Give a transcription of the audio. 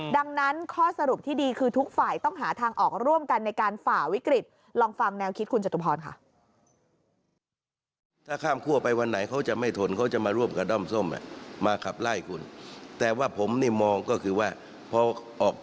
ดังนั้นข้อสรุปที่ดีคือทุกฝ่ายต้องหาทางออกร่วมกันในการฝ่าวิกฤต